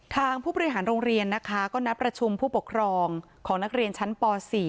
ผู้บริหารโรงเรียนนะคะก็นัดประชุมผู้ปกครองของนักเรียนชั้นป๔